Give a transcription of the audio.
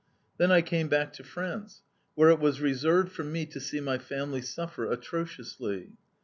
"Then I came back to France, where it was reserved for me to see my family suffer atrociously.